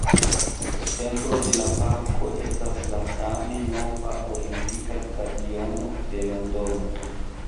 Centro de la parko estas la same nova Olimpika Stadiono de Londono.